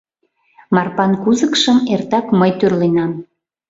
Марпан кузыкшым эртак мый тӱрленам.